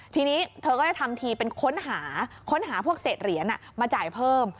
ทีนี้เธอก็จะทำทีเป็นค้นหาค้นหาพวกเศษเหรียญมาจ่ายเพิ่ม